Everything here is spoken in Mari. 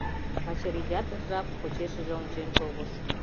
Качырий ятыр жап почешыже ончен шогыш.